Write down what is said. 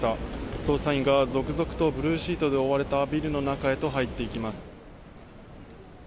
捜査員が続々とブルーシートに覆われたビルの中へと入っていきます。